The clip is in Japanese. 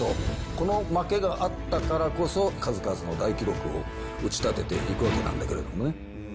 この負けがあったからこそ、数々の大記録を打ち立てていくわけなんだけれどもね。